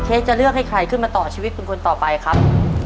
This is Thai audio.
จะเลือกให้ใครขึ้นมาต่อชีวิตเป็นคนต่อไปครับ